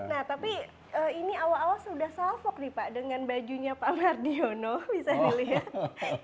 nah tapi ini awal awal sudah salvok nih pak dengan bajunya pak mardiono bisa dilihat